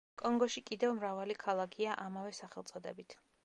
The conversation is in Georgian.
კონგოში კიდევ მრავალი ქალაქია ამავე სახელწოდებით.